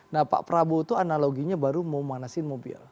nah pak prabowo itu analoginya baru mau manasin mobil